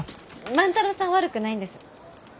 万太郎さんは悪くないんです。